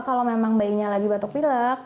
kalau memang bayinya lagi batuk pilek